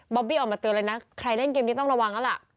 อบบี้ออกมาเตือนเลยนะใครเล่นเกมนี้ต้องระวังแล้วล่ะ